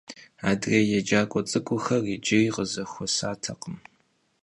Adrêy yêcak'ue ts'ık'uxer yicıri khızexuesatekhım.